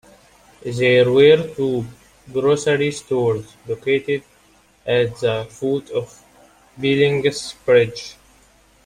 There were two grocery stores located at the foot of Billings Bridge.